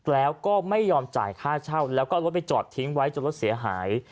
แล้วก็ไม่ยอมจ่ายค่าเช่าแล้วก็เอารถไปจอดทิ้งไว้จนรถเสียหาย